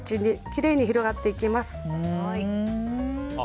きれいに広げていきます。